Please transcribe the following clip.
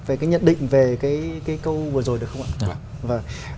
về cái nhận định về cái câu vừa rồi được không ạ